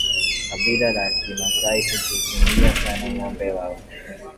Kabila la kimasai hujivunia sana ngombe wao